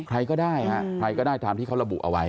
ใครก็ได้ฮะใครก็ได้ตามที่เขาระบุเอาไว้